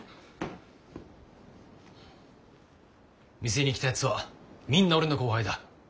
店に来たやつはみんな俺の後輩だ。